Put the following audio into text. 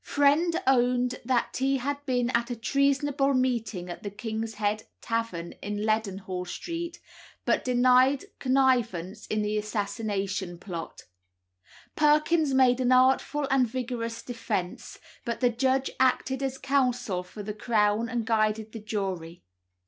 Friend owned that he had been at a treasonable meeting at the King's Head Tavern in Leadenhall Street, but denied connivance in the assassination plot. Perkins made an artful and vigorous defence, but the judge acted as counsel for the Crown and guided the jury.